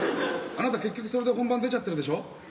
あなた結局それで本番出ちゃってるでしょ？